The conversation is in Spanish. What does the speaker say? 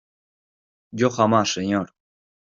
yo, jamás , señor.